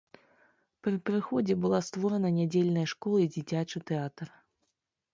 Пры прыходзе была створана нядзельная школа і дзіцячы тэатр.